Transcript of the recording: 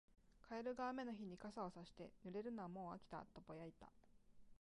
カエルが雨の日に傘をさして、「濡れるのはもう飽きた」とぼやいた。